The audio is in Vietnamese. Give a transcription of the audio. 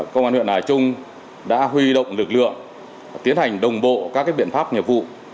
công an huyện hà trung đã huy động lực lượng tiến hành đồng bộ các biện pháp nghiệp vụ